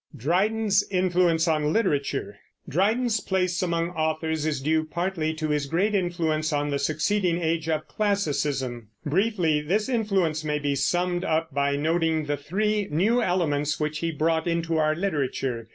DRYDEN'S INFLUENCE ON LITERATURE. Dryden's place among authors is due partly to his great influence on the succeeding age of classicism. Briefly, this influence may be summed up by noting the three new elements which he brought into our literature.